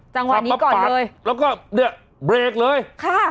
จังหวะนี้ก่อนเลยแล้วก็เนี้ยเบรกเลยค่ะ